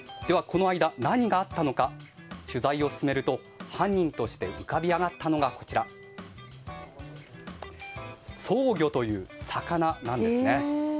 この間、何があったのか取材を進めると犯人として浮かび上がったのがソウギョという魚なんですね。